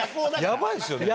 やばいですよね？